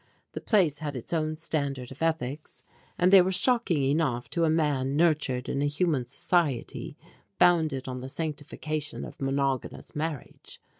The place had its own standard of ethics, and they were shocking enough to a man nurtured in a human society founded on the sanctification of monogamous marriage.